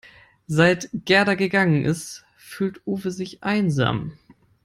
Seit Gerda gegangen ist, fühlt Uwe sich einsam.